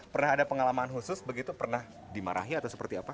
pernah ada pengalaman khusus begitu pernah dimarahi atau seperti apa